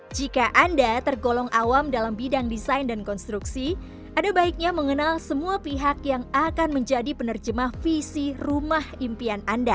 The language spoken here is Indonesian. jika anda tergolong awam dalam bidang desain dan konstruksi ada baiknya mengenal semua pihak yang akan menjadi penerjemah visi rumah impian anda